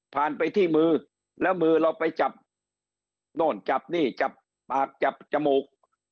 ไปที่มือแล้วมือเราไปจับโน่นจับนี่จับปากจับจมูก